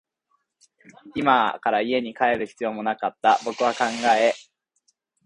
今から家に帰る必要もなかった。僕は少し考え、携帯をしまい、住宅地に背を向ける。